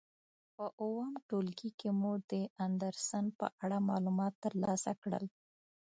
په اووم ټولګي کې مو د اندرسن په اړه معلومات تر لاسه کړل.